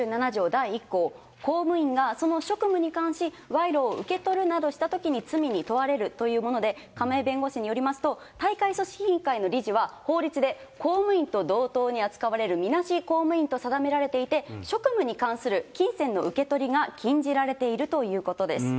第１項、公務員がその職務に関し、わいろを受け取るなどしたときに罪に問われるというもので、亀井弁護士によりますと、大会組織委員会の理事は法律で、公務員と同等に扱われる、みなし公務員と定められていて、職務に関する金銭の受け取りが禁じられているということです。